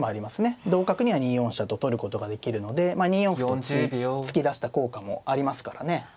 同角には２四飛車と取ることができるので２四歩と突き出した効果もありますからね。